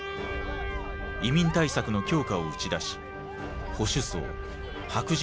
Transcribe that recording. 移民対策の強化を打ち出し保守層白人